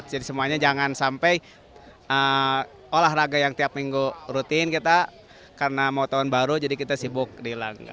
jadi semuanya jangan sampai olahraga yang tiap minggu rutin kita karena mau tahun baru jadi kita sibuk dilanggar